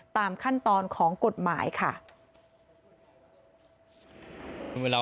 ตามขั้นตอนของกฎหมายค่ะ